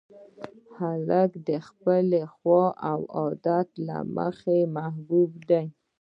هلک د خپل خوی او عادت له مخې محبوب دی.